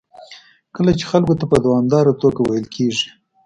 کله چې خلکو ته په دوامداره توګه ویل کېږي